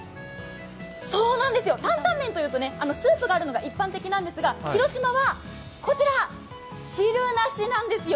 担担麺というと、スープがあるのが一般的なんですが、広島はこちら、汁なしなんですよ。